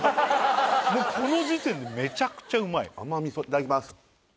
もうこの時点でめちゃくちゃうまい甘味噌いただきます